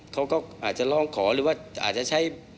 เขาก็อาจจะร้องขอหรือว่าอาจจะใช้